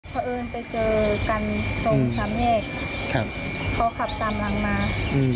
พอเอิญไปเจอกันตรงสามแห้งครับเขาขับตามหลังมาอืม